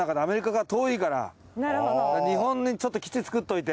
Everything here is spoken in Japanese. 日本にちょっと基地作っといて。